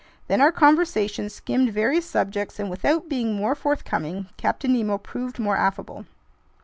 Then our conversation skimmed various subjects, and without being more forthcoming, Captain Nemo proved more affable.